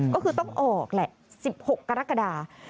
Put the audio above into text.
ก็คือต้องออกแหละ๑๖กรกฎา